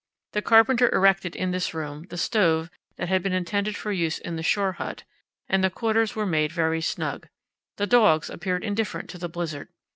The carpenter erected in this room the stove that had been intended for use in the shore hut, and the quarters were made very snug. The dogs appeared indifferent to the blizzard.